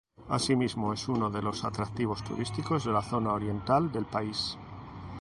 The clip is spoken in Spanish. Asimismo, es uno de los atractivos turísticos de la zona oriental del país.